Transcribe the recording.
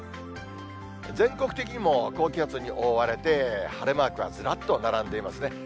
全国的にも高気圧に覆われて、晴れマークがずらっと並んでいますね。